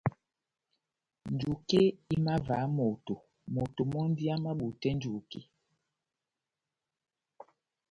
Njuke ihimavaha moto, moto mɔ́ndi amabutɛ njuke.